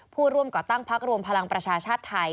ผู้ร่วมก่อตั้งพักรวมพลังประชาชาติไทย